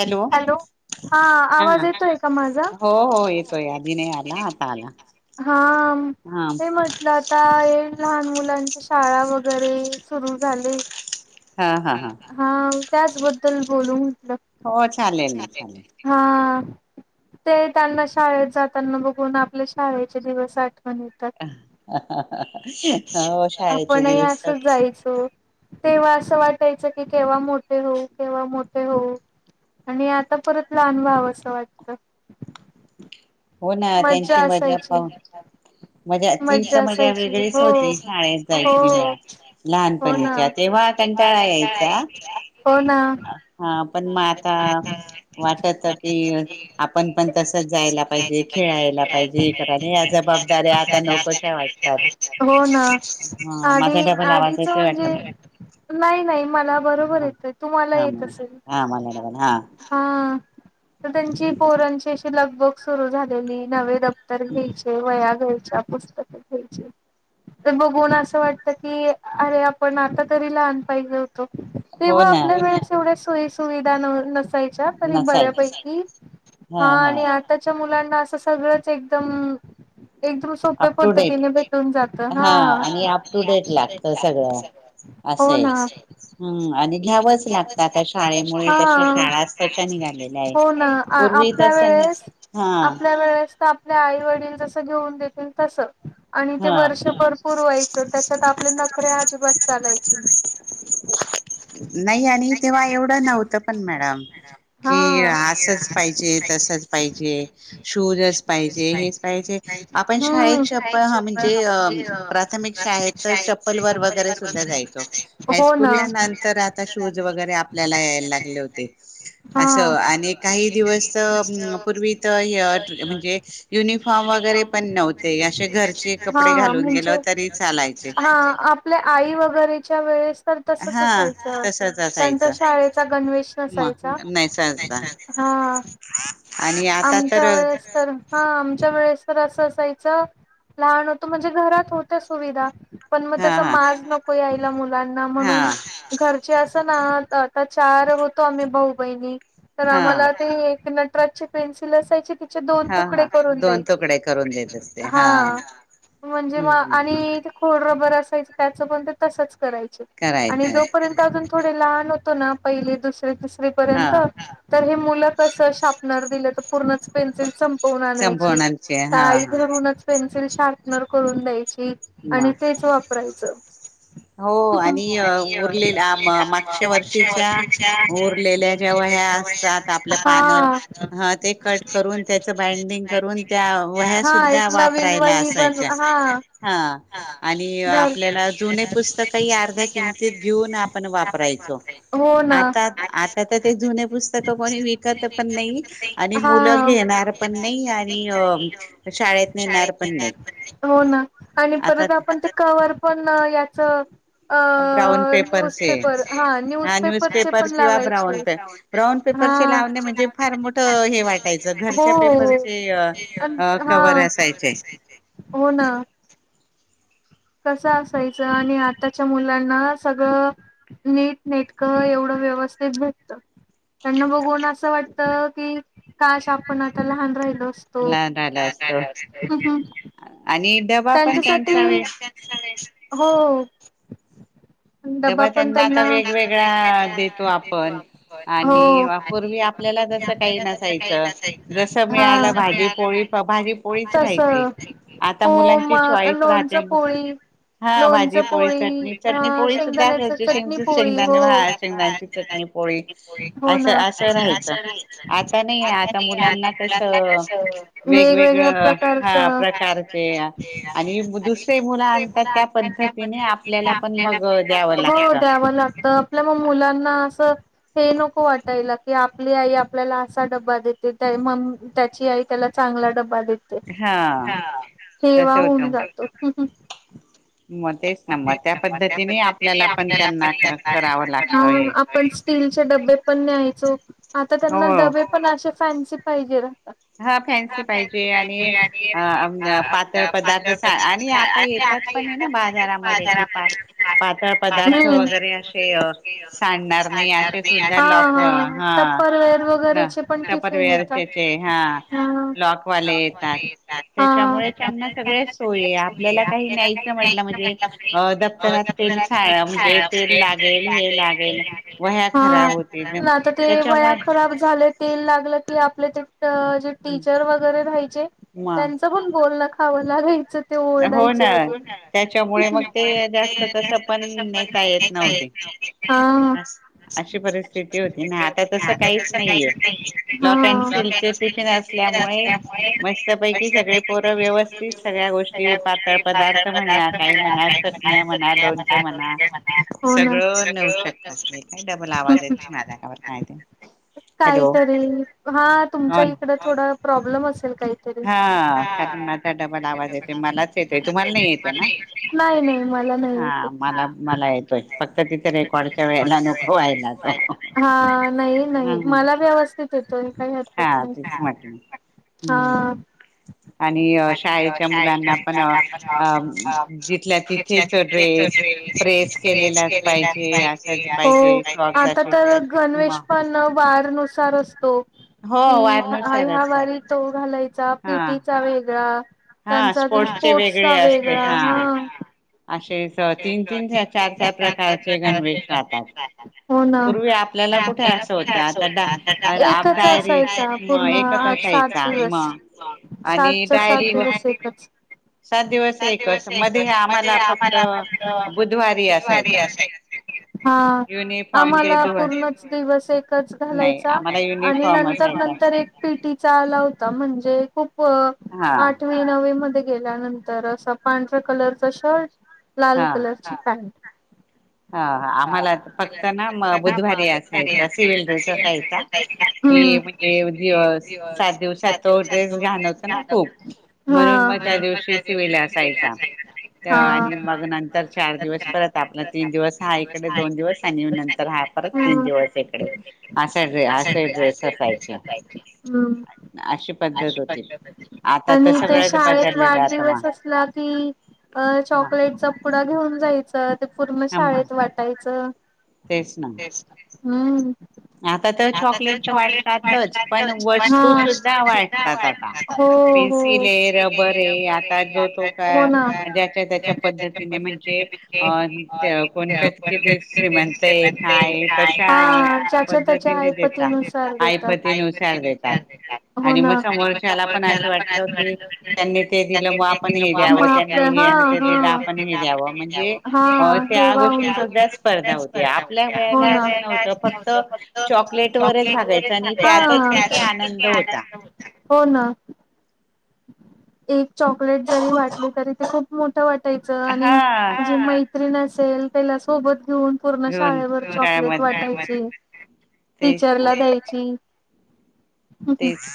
Hello हा हो हो येतोय आधी नाही आला आता आला. हा म ते म्हटलं आता लहान मुलांची शाळा वगैरे सुरू झाली. हा त्याचबद्दल बोलू म्हटलं. हो चालेल हा. ते त्यांना शाळेत जाताना बघून आपले शाळेचे दिवस आठवण येतात. ह ह आपणही असंच जायचो तेव्हा असं वाटायचं की केव्हा मोठे होऊ केव्हा मोठे होऊ आणि आता परत लहान व्हाव असं वाटतं. हो ना त्यांची मजा पाहून मजा ती तर मजा वेगळीच होती शाळेत जायची वेळा लहानपणीच्या तेव्हा कंटाळा यायचा हा पण मग आता वाटत की आपण पण तस जायला पाहिजे खे खेळायला पाहिजे या जबाबदाऱ्या आता नकोशा वाटतात माझा डबल आवाज येतोय वाटते मग नाही नाही मला बरोबर येतय तुम्हाला येत असेल हा तर त्यांची पोरराची अशी लगबग सुरु झालेलीआहे नवे दप्तर घ्यायचे वया घ्यायच्या वह्या घ्यायच्या पुस्तक घ्यायची तर बघून असं वाटत की अरे आपण आता तरी लहान पाहिजे होत तेव्हा आपल्या वेळेस एवढ्या सोयी सुविधा नव्हत्या तरी बऱ्यापैकी ह आणि आच्या मुला अस सगळंच एकदम एकदम सोप्या पद्धतीने भेटून जात हा हो ना हो ना आपल्या वेळेस आपल्या वेळेस तर आपल्या आई वडील जस घेऊन देतील तस आणि ते वर्ष भरपूर व्हायचं त्याच्यात आपले नखऱ्या अजिबात चालायचे नाही नाही आणि तेव्हा एवढं नव्हतं पण मॅडम कि असच पाहिजे तसच पाहिजे ूर पाहिजे हेच पाहिजे आपण शाळेत प्राथमिक शाळेत चप्पल वर सुद्धा जायचं नंतर आता शूज वगैरे आपल्याला यायला लागले होते असं आणि काही दिवस पूर्वी तर म व युनिफॉर्म वगैरे नव्हते हा म्हणजे हा आपल्या आई वगैरेच्या वेळेस सुविधा नव्हत्या तर तसच असायच नंतर शाळेचा गणवेश नसायचा हा आणि आता अस हा आमच्या वेळेस तर असं असायचं लहान होतं म्हणजे घरात होत्या सुविधा पण मग त्याचा राग नको यायला मुलांना म्हणून घर ना आ चार होतो आम्ही भाऊ बहिणी तर आम्हाला ते पेन्सिल असायचे तिचे दोन तुकडे करून द्यायचे हा म्हणजे म आणि खोड रबर त्या पण तच कराय जोर् अज ल पहि दु त पर्यंत तर हे मु क शार्पनर दि पर्ण पेन्सिल संपवून आणायची तई घरूनच पेन्सिल सिलुन द्यायची आणि तेच वापरायचं हो आणि उरले मागच्या वर्षीच्या उरलेल्या ज्या वह्या असतात आपलं पान कट करून त्याच बाइंडिंग करून त्या वह्या सुद्धा वापरायला असायच्या हा आणि आपल्याला जुने पुस्तकही अर्ध्या किंमतीत घेऊन आपण वापरायचो आता आता तर ते जुने पुस्तक कोणी विकत पण नाही आणि मुलं घेणार पण नाही आणि अ शाळेत नेणार पण नाही हो ना आणि परत आपण ते कवर्ह पण याच अ न्यूजपेपर हा न्यूजपेपरचे पण लावायचे ह हो हा हो ना कसं असायचं आणि आताच्या मुलांना सगळं नीट नेटक एवढं व्यवस्थित भेटत त्यांना बघून असं वाटत की काश आपण आता लहान राहिल नाही त्यांच्यासाठी हो डबा पण त्यांना वेगवेगळ्या भाज्या देतो हा, तसं. हो म अ लोणचं पोळी, लोणचं पोळी अ शेंगदाण्याची चटणी पोळी हो, हो ना. वेगवेगळ्या प्रकारचं प्रकारचे आणि दुसरे ही मुलं आणता त्या पद्धतीने आपल्याला पण मग हो द्याव लागत, आपल्या मुलांना असं हे नको वाटायला की आपली आई आपल्याला असा डबा देते त्याच ती आई त्याला चांगला डब बा देते, हेवा होऊन जातो. हा आपण स स्टीलचे डब्बे पण न्यायचो आता त्यांना डबे पण असे फॅन्सी पाहिजे रा हा फॅन्सी पाहिजे आणि आपल्या पातळ पदार्थ असे आणि आता ए त्यात पण हे ना बा बाजारामध्ये जे पान पातळ पदार्थ वगैरे अशे सांडणार नाही अशे सुद्धा लॉक व हा न टपरवेअर ते चे हा. लॉकवाले येतात. त्याच्यामुळे त्यांना सगळ्या सोयी ही आपल्याला काही न्यायचं म्हटल म म्हणजे अ दप्तरात तेल सांडायचं म्हणजे तेल लागेल हे लागेल वह्या हा, खा उलट आता ते वह्या खराब झाल्या तेल लागलं की आप प्ले जे टीचर वगैरे राहायचे त्यांचं पण बोलणं खावं लागय च ते ओरडायचे अजून. त्याच्यामुळे मग ते अ जास्त तस पण नेता येत नव्हते, असं. अशी परिस्थिती होती ना आता तस काहीच नाहीये लॉक ॲन्ड सिल चे टिफीन असले त्यामुळे मस्तपैकी सगळे पोर व्यवस्थित सगळ्या गोष टी पातळ पदार्थ म्हणा काही म्हणा चटण्या म्हणा, लोणच म्हणा, सगळं नेऊ शकतात ते काय डबल आप आवाज येतय मला का बर काय ते. काहीतरी, तुमच्या इकडं थोडं प्रॉब्लम असेल. हा, कारण माझा डबल आवाज येते मलाच येते तुम्हाला नाही येत? कणा हा, मला मला येतोय, फक्त तिथं रेकॉर्डच्या वेळेला नक होयला तो हम् हा तेच म्हट हम्म. आणि अ शाळेच्या मुलाला पण अ ह तिथल्या तिथेच ड्रेस प्रेस केलेला ही पाहिजे आस हो, आता तर गणवेश पण वारनुसार अस तो कि ह्या वारी तो घालायचा पिटीचा वेगळा. त्यांचा अजून स्पोर्ट्सचा वेगळा हा अशेच अ तीन- तीन, च चार- चार प्रकारचे गणवेश राहतात. पूर्वी आ आपल्याला कुठे अस होत आता म एकच असायचा म ह आणि अ डायरी सात दिवस एकस मधे आम ला फक्त बुधवारी असायचा. आम्हाला पूर्णच दिवस एकच घालायचा आणि नंतर नंतर एक पी पिटीचा आला होता म्हणजे व आठवी नववी मध्ये गेल्यानंतर असा पांढऱ्या कलरचा शर्ट लाल कलरची पॅन. ह ह आम्हाला फक्त ना म बुधवारी असायचा सिव्हिल ड्रेस असायचा कि की म्हणजे अ दिवस सात दिवसात तो ड्रेस घाणवतो ना खूप. म्हणून म त्या दिवशी सिव्हिल असायचा त आणि मग नंतर चार दिवस परत आपला तीन दिवस हा इकडे दोन दिवस आणि नंतर हा परत तीन दिवस इकडे असा ड्रे असाय ड्रेस असायचे, अन् अशी पद्धत होती. आता तर सगळंच बदललेलं आहे असला की चॉकलेटचा पुडा घेऊन जायच ते पूर्ण शाळेत वाटायचं तेच ना हम्म आता तर चॉकलेट तर वाटतातच पण वस्तू सुद्धा वाटतात आता पेन्सिल रबर आता जो तो का ज्याच्या त्याच्या पद्धतीने म्हणजे कोण कध किती श्रीमंत आहे काय तशा त्या त्याच्या आपतीनुसार देतातो ला दि ह ह ठवा [unintelligible] स्पर्धा होते फक्त चॉकलेट वगैरेाय क आनंद होत [unintelligible] हो ना एक चॉकलेट जरी वाटली तरी ते खूप मोठ वाटायचं आणि ज मैत्रीण असेल त्याला सोबत घेऊन पूर्ण शाळेवर चॉकलेट वाटायची टीचरला द्यायची तेच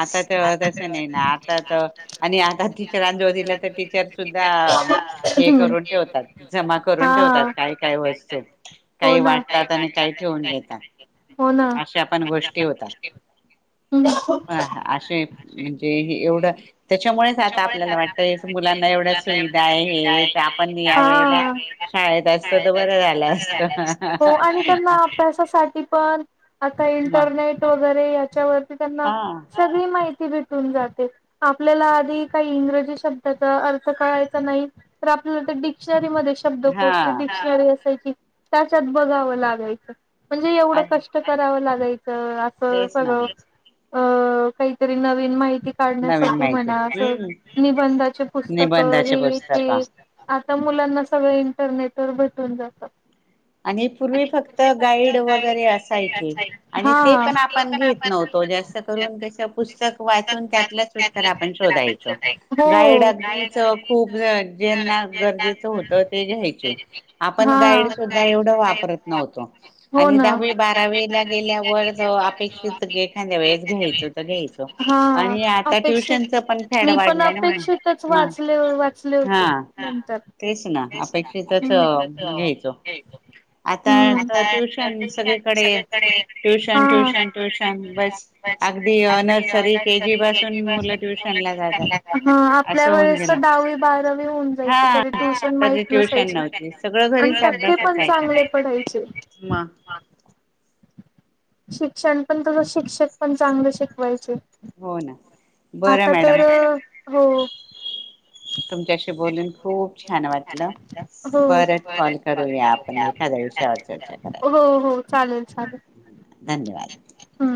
आता तेतस नाही आता आणि आता टीचरां जो दिलं तर टीचर सुद्धा हे करून ठेव जमा करून ठेवतात काय काय वस्तू काही वाटतात आणि काही ठेवून घेतात अशा पण गोष्टी होतात प असे म्हणजे एवढ त्याच्यामुळे आता आपल्याला वाटत मुलांना एवढ्या सुविधा आहे हे आपण याळेला शाळेत असत तर बर झालं असत आता इंटरनेट वगैरे याच्यावरती त्यांना सगळी माहिती जाते आपल्याला आधी काही इंग्रजी शब्दाचा अर्थ कयचा नाही तर आपल्या डिक्शनरी मध्ये शब्दकोष्टी डिक्शनरी असायची त्याच्यात बघावं लागायचं म्हणजे एवढं कष्ट करावं लागायचं असं सगळं अ काहीतरी नवीन माहिती काढण्यासाठी म्हणा अस निबंधाचे पुस्तक हे ते मुलांना सगळं इंटरनेट वर भेटून जातं आणि पूर्वी फक्त गाईड वगैरे असायचे आणि ते पण आपण घेत नव हो जास्त करून त्याचे पुस्तक शो गड अ ख [unintelligible] [unintelligible] एवढ वापरत नव्हत आणि दहावी बारावीला गेल्यावर अपेक्षित एखाद्या वेळेस घ्यायचो तर घ्यायचो आणि आता ट्युशनच पण फॅड वाढलं ना म हा ंतर तेिंच आता टेशन सगळीकडे [unintelligible] [unintelligible] आपल्या वेळेस दहा बारा वी मा न [unintelligible] चांगले पडायचे शिक्षण पण तसं शिक्षक पण चांगले शिकवायचे आता तर हो तुमच्याशी बोलून खूप छान वाटलं हो बून हो हो चाल [unintelligible]